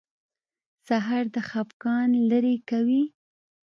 سهار د خفګان لرې کوي.